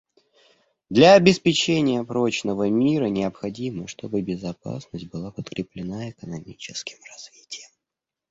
Для обеспечения прочного мира необходимо, чтобы безопасность была подкреплена экономическим развитием.